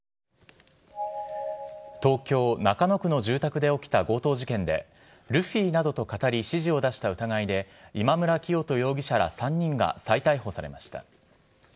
東京・中野区の住宅で起きた強盗事件で、ルフィなどとかたり指示を出した疑いで、今村磨人容疑者ら３人が再逮捕されました。